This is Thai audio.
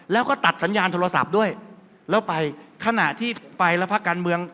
แล้วก็ตัดสัญญาณโทรศัพท์ด้วยแล้วไปขณะที่ไปแล้วภาคการเมือง